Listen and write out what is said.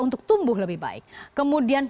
untuk tumbuh lebih baik kemudian